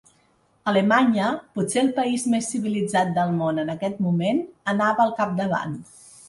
Alemanya, potser el país més civilitzat del món en aquest moment, anava al capdavant.